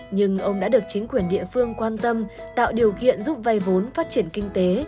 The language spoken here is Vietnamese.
nhưng ông đã được chính quyền địa phương quan tâm tạo điều kiện giúp vay vốn phát triển kinh tế